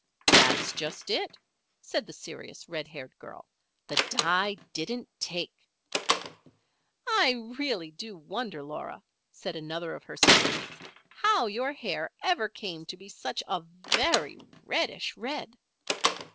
"That's just it," said the serious, red haired girl. "The dye didn't take." "I really do wonder, Laura," said another of her schoolmates, "how your hair ever came to be such a very reddish red."